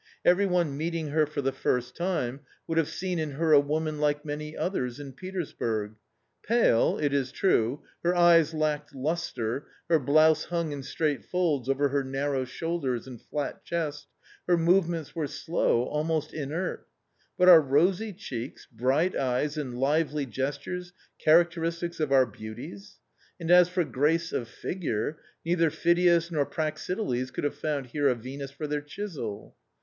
Every one meeting her for the first time would have seen in her a woman like many others in Petersburg. Pale, it is true, her eyes lacked lustre, her blouse hung in straight folds over her narrow shoulders and flat chest, her move ments were slow, almost inert But are rosy cheeks, bright eyes, and lively gestures characteristics of our beauties? And as for grace of figure Neither Phidias nor Praxitiles could have found here a Venus for their chisel.